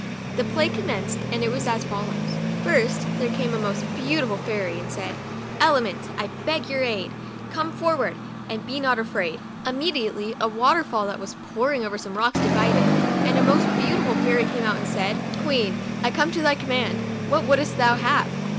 The play commenced, and was as follows : First, there came a most beauti ful fairy, and said, " Elements, I beg your aid; come forward! and be not afraid." Immediately a water fall that was pouring over some rocks divided, and a most beau tiful fairy came out, and said, " Queen, I come at thy command, what would'st thou have